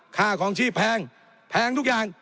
ค่าคลองชีพแพงแพงทุกอย่าง